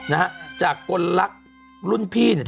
นะฮะจากกลลักษณ์รุ่นพี่เนี่ย